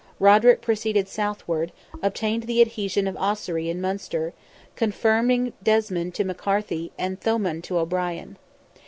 Roderick proceeded southward, obtained the adhesion of Ossory and Munster; confirming Desmond to McCarthy, and Thomond to O'Brien.